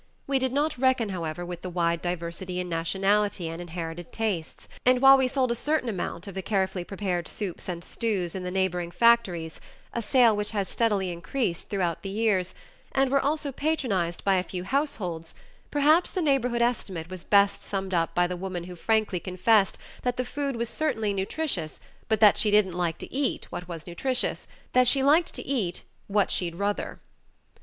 We did not reckon, however, with the wide diversity in nationality and inherited tastes, and while we sold a certain amount of the carefully prepared soups and stews in the neigh boring factories a sale which has steadily increased throughout the years and were also patronized by a few households, perhaps the neighborhood estimate was best summed up by the woman who frankly confessed, that the food was certainly nutritious, but that she didn't like to eat what was nutritious, that she liked to eat "what she'd ruther."